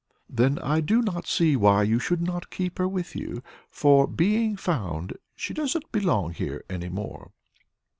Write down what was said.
"Then I do not see why you should not keep her with you; for, being found, she doesn't belong here any more."